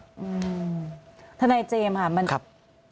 อืมทนายเจมส์ค่ะมันครับ